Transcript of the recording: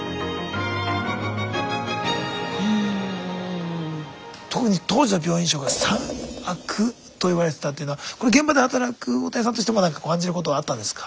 うん特に当時の病院食は「３悪」と言われてたっていうのはこれ現場で働く大谷さんとしても何か感じることはあったんですか？